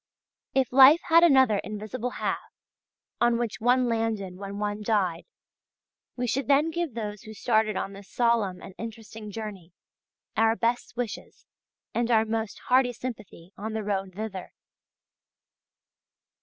If life had another invisible half, on which one landed when one died, we should then give those who started on this solemn and interesting journey our best wishes and our most hearty sympathy on the road thither.